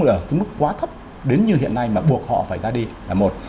ở cái mức quá thấp đến như hiện nay mà buộc họ phải ra đi là một